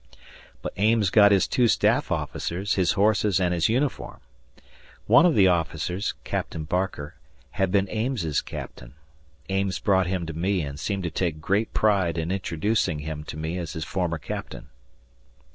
But Ames got his two staff officers, his horses, and his uniform. One of the officers, Captain Barker, had been Ames's captain. Ames brought him to me and seemed to take great pride in introducing him to me as his former captain.